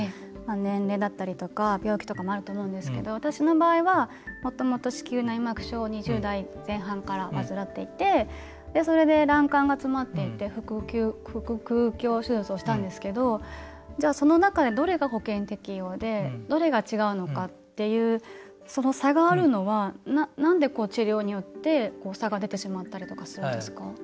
年齢だったりとか病気とかもあると思うんですけど私の場合は、もともと子宮内膜症２０代前半から患っていてそれで、卵管が詰まっていて手術をしたんですけどじゃあその中でどれが保険適用でどれが違うのかっていうその差があるのはなんで治療によって差が出てしまったりするんですか。